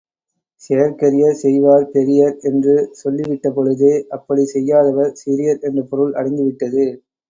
செயற்கரிய செய்வார் பெரியர் என்று சொல்லிவிட்டபொழுதே, அப்படிச் செய்யாதவர் சிறியர் என்ற பொருள் அடங்கிவிட்டது.